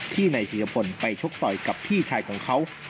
นายจิรพลไปชกต่อยกับพี่ชายของเขา